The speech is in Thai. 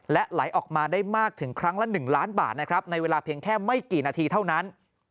และไหลออกมาได้มากถึงครั้งละ๑ล้านบาทนะครับในเวลาเพียงแค่ไม่กี่นาทีเท่านั้น